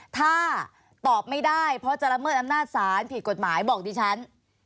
ถ้าตอบไม่ได้เพราะจะละเมิดอำนาจศาลผิดกฎหมายบอกดิฉัน